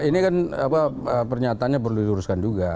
ini kan pernyataannya perlu diluruskan juga